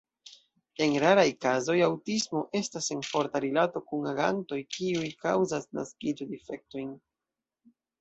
En raraj kazoj aŭtismo estas en forta rilato kun agantoj kiuj kaŭzas naskiĝo-difektojn.